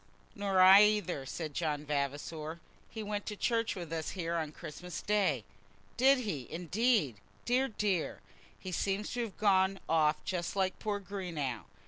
"Nor I, either," said John Vavasor. "He went to church with us here on Christmas day." "Did he, indeed? Dear, dear! He seems at last to have gone off just like poor Greenow."